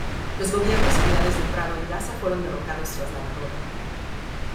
Los gobiernos aliados de Prado y Daza fueron derrocados tras la derrota.